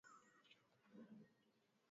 Zaidi kutoka dola milioni ishirini na tisa